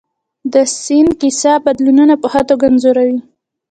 د سیند کیسه بدلونونه په ښه توګه انځوروي.